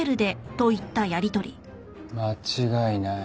間違いない。